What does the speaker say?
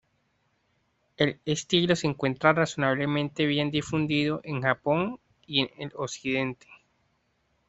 El estilo se encuentra razonablemente bien difundido en Japón y en el occidente.